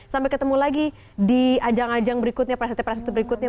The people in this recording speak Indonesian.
sampai ketemu lagi di ajang ajang berikutnya praset praset berikutnya